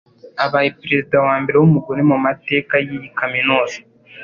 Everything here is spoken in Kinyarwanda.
abaye perezida wa mbere w’umugore mu mateka y’iyi kaminuza